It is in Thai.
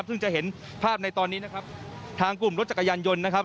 ซึ่งจะเห็นภาพในตอนนี้นะครับทางกลุ่มรถจักรยานยนต์นะครับ